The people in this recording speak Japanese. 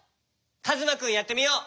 かずまくんやってみよう。